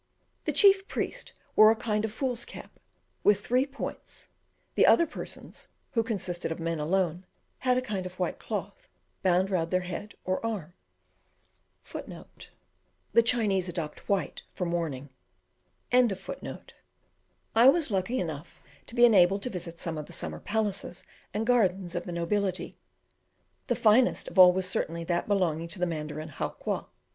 The chief priest wore a kind of white fool's cap, with three points; the other persons, who consisted of men alone, had a kind of white cloth bound round their head or arm. I was lucky enough to be enabled to visit some of the summer palaces and gardens of the nobility. The finest of all was certainly that belonging to the Mandarin Howqua.